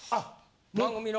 番組の。